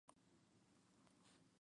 Habita en Irán.